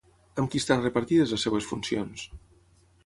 Amb qui estan repartides les seves funcions?